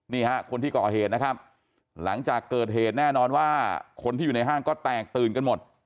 นี่ฮะคนที่ก่อเหตุนะครับหลังจากเกิดเหตุแน่นอนว่าคนที่อยู่ในห้างก็แตกตื่นกันหมด